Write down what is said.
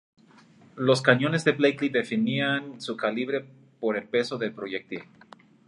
Los cañones de Blakely definían su calibre por el peso del proyectil.